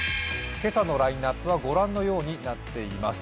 今朝のラインナップは御覧のようになっています。